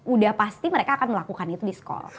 udah pasti mereka akan melakukan itu di sekolah